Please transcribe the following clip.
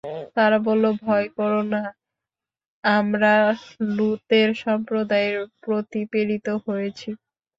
তারা বলল, ভয় করো না, আমরা লূতের সম্প্রদায়ের প্রতি প্রেরিত হয়েছি।